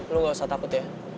lu gak usah takut ya